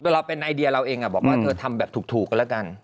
เราเป็นไอเดียเราเองบอกว่าเธอทำแบบถูกกันแล้วกัน